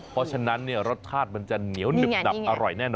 เพราะฉะนั้นรสชาติมันจะเหนียวหนึบหนับอร่อยแน่นอ